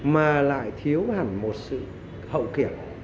mà lại thiếu hẳn một sự hậu kiểm